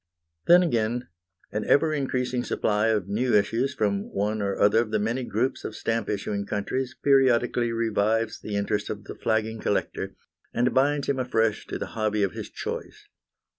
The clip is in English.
Then, again, an ever increasing supply of new issues from one or other of the many groups of stamp issuing countries periodically revives the interest of the flagging collector, and binds him afresh to the hobby of his choice.